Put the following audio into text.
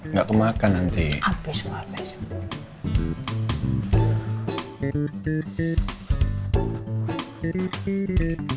udah kebanyakan nanti bu basir